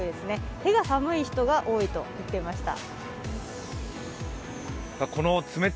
手が寒い人が多いといっていました。